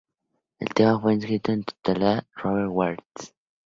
El tema fue escrito en su totalidad por Roger Waters.